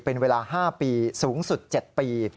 เป็นเวลา๕ปีสูงสุด๗ปี